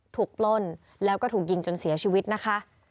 ปล้นแล้วก็ถูกยิงจนเสียชีวิตนะคะ